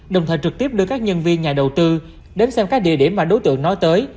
đồng thời trực tiếp đưa các nhân viên nhà đầu tư đến xem các địa điểm mà đối tượng nói tới